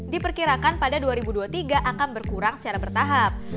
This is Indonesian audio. diperkirakan pada dua ribu dua puluh tiga akan berkurang secara bertahap